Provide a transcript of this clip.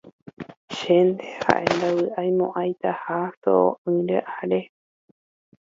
Chénte ha'e ndavy'amo'ãitaha so'o'ỹre are.